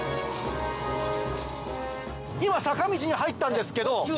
今坂道に入ったんですけど。